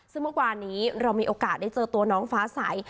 ซึ่งเมื่อวานนี้เรามีโอกาสได้เจอตัวน้องฟ้าใส